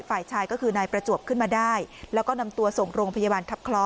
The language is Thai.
ฝ่ายชายก็คือนายประจวบขึ้นมาได้แล้วก็นำตัวส่งโรงพยาบาลทัพคล้อ